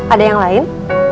ada yang lain